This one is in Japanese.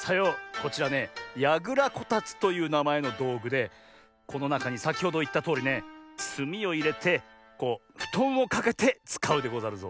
こちらね「やぐらこたつ」というなまえのどうぐでこのなかにさきほどいったとおりねすみをいれてこうふとんをかけてつかうでござるぞ。